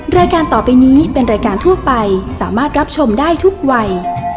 รายการต่อไปนี้เป็นรายการทั่วไปสามารถรับชมได้ทุกวัย